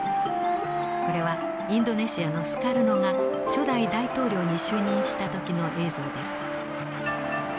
これはインドネシアのスカルノが初代大統領に就任した時の映像です。